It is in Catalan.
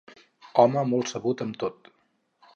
Home molt sabut en tot.